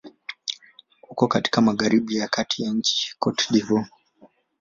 Uko katika magharibi ya kati ya nchi Cote d'Ivoire.